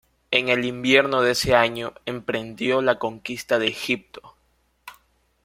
En el invierno de ese año, emprendió la conquista de Egipto.